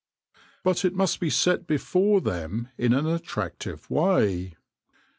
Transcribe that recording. But it must be set before them in an attrac tive way.